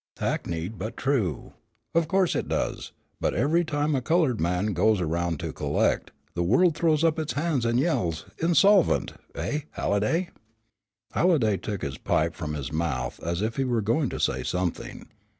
"Hackneyed, but true. Of course it does; but every time a colored man goes around to collect, the world throws up its hands and yells 'insolvent' eh, Halliday?" Halliday took his pipe from his mouth as if he were going to say something.